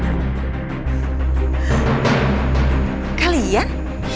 gak mauuri gak maulah